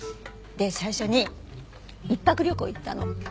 最初に一泊旅行へ行ったの。